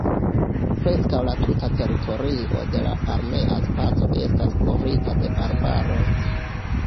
Preskaŭ la tuta teritorio de la armea spaco estas kovrita de arbaroj.